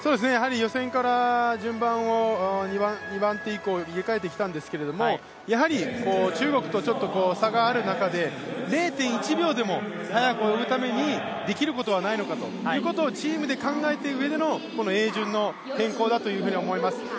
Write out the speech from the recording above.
予選から順番を２番手以降入れ替えてきたんですけれども、中国とちょっと差がある中で、０．１秒でも速く泳ぐためにできることはないかとチームで考えたうえでのこの泳順の変更だと思います。